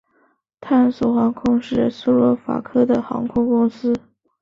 探索航空是斯洛伐克的航空公司。